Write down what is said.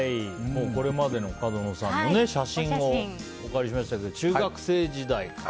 これまでの角野さんのお写真をお借りしましたけど中学生時代から。